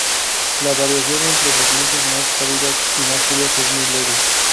La variación entre los meses más cálidos y más fríos es muy leve.